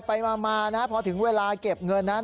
ไปมานะพอถึงเวลาเก็บเงินนั้น